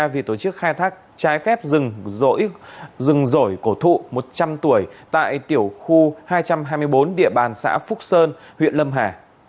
vì tổ chức khai thác trái phép rừng rỗi rừng rổi cổ thụ một trăm linh tuổi tại tiểu khu hai trăm hai mươi bốn địa bàn xã phúc sơn huyện lâm hà